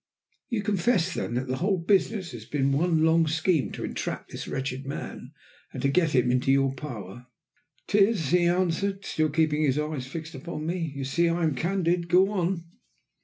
"You confess then that the whole business has been one long scheme to entrap this wretched man, and to get him into your power?" "'Tis," he answered, still keeping his eyes fixed upon me. "You see I am candid! Go on!"